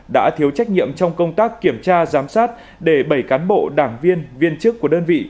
đã thiếu trách nhiệm trong công tác kiểm tra giám sát để bảy cán bộ đảng viên viên chức của đơn vị